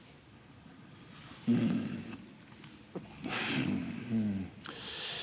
うんうん。